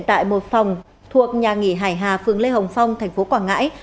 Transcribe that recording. tại một phòng thuộc nhà nghỉ hải hà phường lê hồng phong tp quảng ngãi